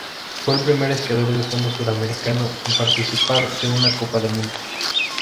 Fue el primer esquiador de fondo suramericano en participar de una Copa del Mundo.